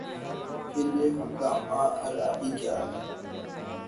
پھر یہ ہنگامہ آرائی کیا ہے؟